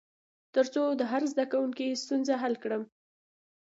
تر څو د هر زده کوونکي ستونزه حل کړم.